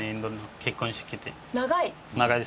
長い？